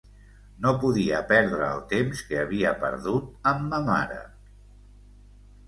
No podia perdre el temps que havia perdut amb ma mare.